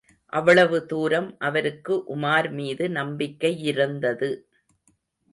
அவ்வளவு தூரம் அவருக்கு உமார் மீது நம்பிக்கை யிருந்தது.